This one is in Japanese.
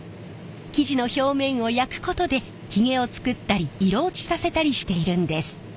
生地の表面を焼くことでヒゲを作ったり色落ちさせたりしているんです。